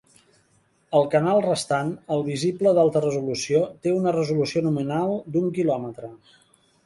El canal restant, el visible d’alta resolució, té una resolució nominal d’un quilòmetre.